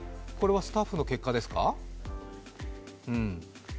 これはスタッフの結果ですか？